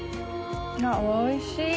おいしい！